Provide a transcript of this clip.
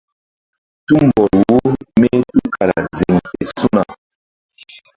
Tumbɔl wo mí tukala ziŋfe su̧na.